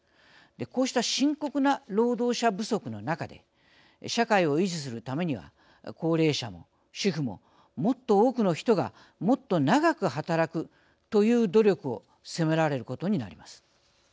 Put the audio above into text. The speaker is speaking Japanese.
こうした深刻な労働者不足の中で社会を維持するためには高齢者も、主婦ももっと多くの人がもっと長く働くという努力を迫られることになります。